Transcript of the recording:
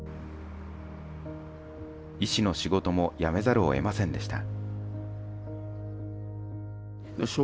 医師の仕事も辞めざるをえませんでした。